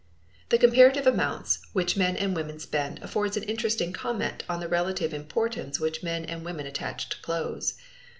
The comparative amounts which men and women spend affords an interesting comment on the relative importance which men and women attach to clothes.